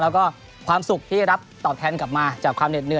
แล้วก็ความสุขที่รับตอบแทนกลับมาจากความเหน็ดเห